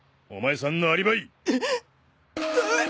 お前さんのアリバイ！